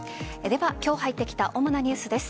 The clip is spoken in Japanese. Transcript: では、今日入ってきた主なニュースです。